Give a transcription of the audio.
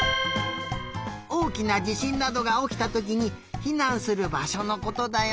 おおきなじしんなどがおきたときにひなんするばしょのことだよ。